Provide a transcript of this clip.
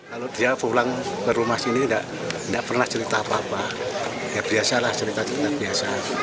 kalau dia pulang ke rumah sini tidak pernah cerita apa apa ya biasalah cerita cerita biasa